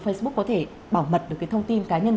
facebook có thể bảo mật được cái thông tin cá nhân